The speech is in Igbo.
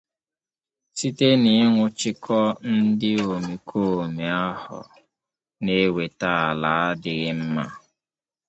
site n'ịnwụchikọ ndị omekoome ahụ na-eweta ala adịghị mma